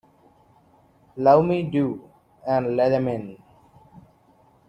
Love Me Do" and "Let 'Em In".